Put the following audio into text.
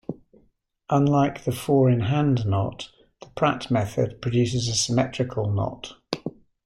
Unlike the four-in-hand knot, the Pratt method produces a symmetrical knot.